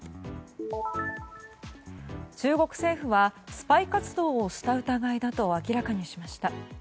中国政府はスパイ活動をした疑いだと明らかにしました。